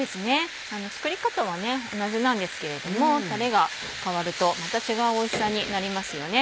作り方は同じなんですけれどもタレが変わるとまた違うおいしさになりますよね。